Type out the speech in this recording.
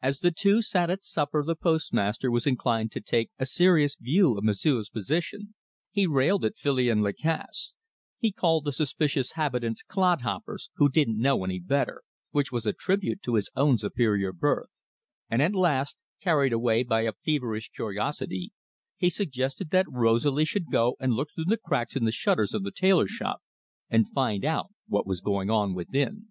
As the two sat at supper the postmaster was inclined to take a serious view of M'sieu's position. He railed at Filion Lacasse; he called the suspicious habitants clodhoppers, who didn't know any better which was a tribute to his own superior birth; and at last, carried away by a feverish curiosity, he suggested that Rosalie should go and look through the cracks in the shutters of the tailor shop and find out what was going on within.